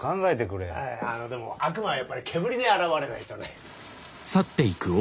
あのでも悪魔はやっぱり煙で現れないとね。